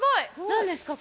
何ですか？